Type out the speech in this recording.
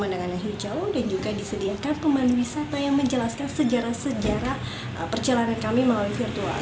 pemandangannya hijau dan juga disediakan pemandu wisata yang menjelaskan sejarah sejarah perjalanan kami melalui virtual